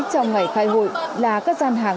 trong ngày khai hội là các gian hàng